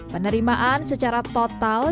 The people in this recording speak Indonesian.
penerimaan secara total